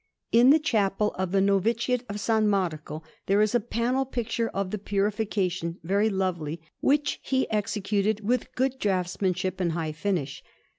In the chapel of the Noviciate of S. Marco there is a panel picture of the Purification, very lovely, which he executed with good draughtsmanship and high finish.